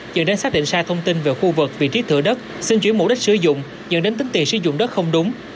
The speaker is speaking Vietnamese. dẫn đến xác định sai thông tin về khu vực vị trí thửa đất xin chuyển mục đích sử dụng dẫn đến tính tiền sử dụng đất không đúng